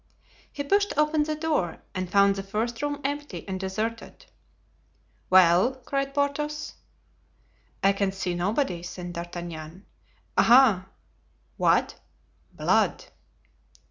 He pushed open the door and found the first room empty and deserted. "Well?" cried Porthos. "I can see nobody," said D'Artagnan. "Aha!" "What?" "Blood!"